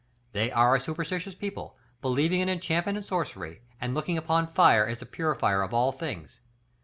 They are a superstitious people, believing in enchantment and sorcery, and looking upon fire as the purifier of all things.